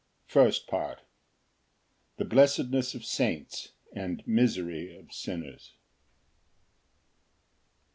First Part. The blessedness of saints, and misery of sinners.